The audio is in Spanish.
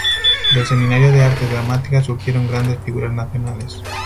Del Seminario de Artes Dramáticas surgieron grandes figuras nacionales.